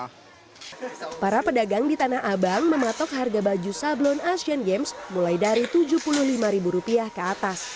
pembeli pembeli di tanah abang mematok harga baju sablon asian games mulai dari tujuh puluh lima ribu rupiah ke atas